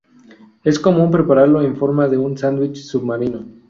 Es común prepararlo en forma de un sándwich submarino.